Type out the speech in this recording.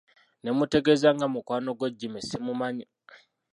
Ne mmutegeeza nga mukwano gwe Jimmy simumanyi.